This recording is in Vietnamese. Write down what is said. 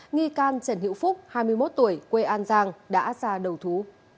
nghi can trần hữu phúc hai mươi một tuổi quê an giang đã ra đầu thú